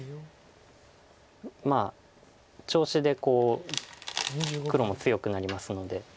まあ調子で黒も強くなりますので。